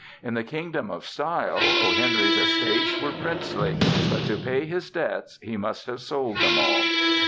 In the kingdom of style O. Henry's estates were princely, but, to pay his debts, he must have sold them all.